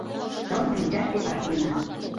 Тылзе мучаште вашлийына.